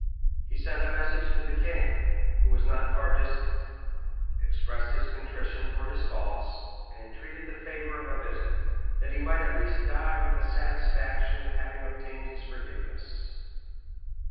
He sent a message to the king, who was not far distant; expressed his contrition for his faults; and entreated the favor of a visit, that he might at least die with the satisfaction of having obtained his forgiveness.